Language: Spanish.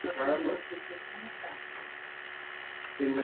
Es un complejo carbonato y bicarbonato hidratado de sodio.